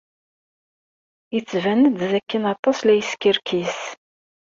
Yettban-d dakken atan la yeskerkis.